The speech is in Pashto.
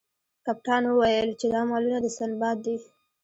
کپتان وویل چې دا مالونه د سنباد دي.